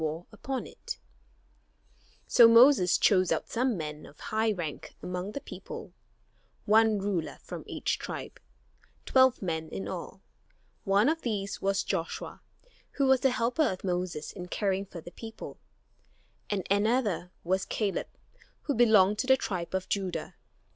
[Illustration: A cluster of grapes so large that two men carried it] So Moses chose out some men of high rank among the people, one ruler from each tribe, twelve men in all. One of these was Joshua, who was the helper of Moses in caring for the people, and another was Caleb, who belonged to the tribe of Judah.